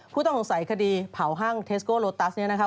ผู้ต้องสงสัยคดีเผาห้างเทสโกโลตัสเนี่ยนะคะ